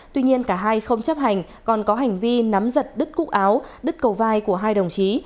tuy nhiên cả hai không chấp hành còn có hành vi nắm giật đứt cúc áo đứt cầu vai của hai đồng chí